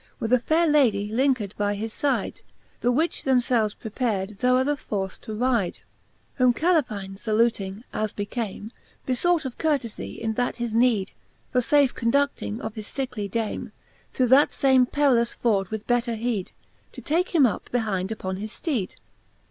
With a faire Lady lincked by his fyde, The which themfelves prepard thorough the foord to ride. XXXI. Whom Caleptne fluting, as became, Befought of courtefie in that his neede, For fafe condu(!:i:ing of his fickely Dame, Through that fame perillous foord with better heede, To take him up behinde upon his fteed.